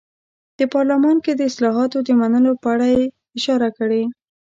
د پارلمان کې د اصلاحاتو د منلو په اړه یې اشاره کړې.